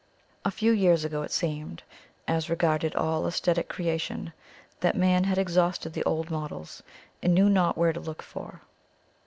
A few years ago it seemed, as regarded all æsthetic creation, that man had exhausted the old models, and knew not where to look for new.